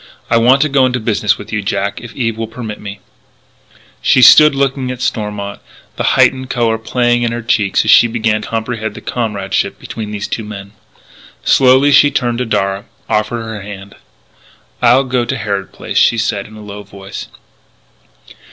"I want to go into business with you, Jack if Eve will permit me " She stood looking at Stormont, the heightened colour playing in her cheeks as she began to comprehend the comradeship between these two men. Slowly she turned to Darragh, offered her hand: "I'll go to Harrod Place," she said in a low voice.